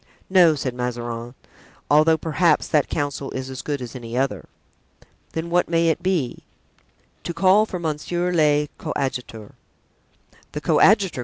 "No," said Mazarin; "although, perhaps, that counsel is as good as any other." "Then what may it be?" "To call for monsieur le coadjuteur." "The coadjutor!"